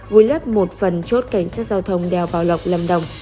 vùi lấp một phần chốt cảnh sát giao thông đèo bảo lộc lâm đồng